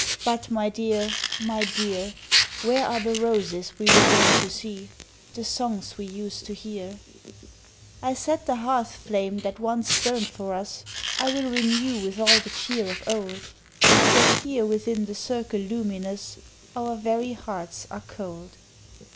But my dear, my dear, Where are the roses we were wont to see The songs we used to hear? I said the hearth flame that once burned for us I will renew with all the cheer of old, Yet here within the circle luminous Our very hearts are cold.